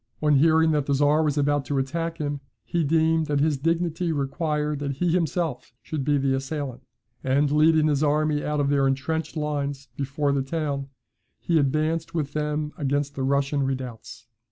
On hearing that the Czar was about to attack him, he deemed that his dignity required that he himself should be the assailant; and leading his army out of their entrenched lines before the town, he advanced with them against the Russian redoubts.